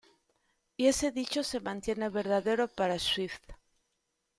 Y ese dicho se mantiene verdadero para Swift.